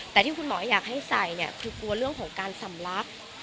แต่ที่คุณหมออยากให้ใส่เนี่ยคือกลัวเรื่องของการสำลัก